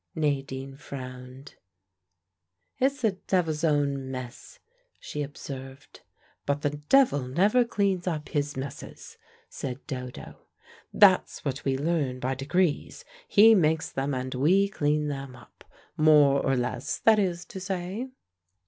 Nadine frowned. "It's the devil's own mess," she observed. "But the devil never cleans up his messes," said Dodo. "That's what we learn by degrees. He makes them, and we clean them up. More or less, that is to say."